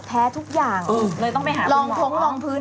แพ้ทุกอย่างลองพงลองพื้น